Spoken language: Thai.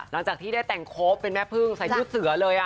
นอนจากที่ได้แต่งครบเป็นแม่พึ่งใส่ดูดเสือเลยอะ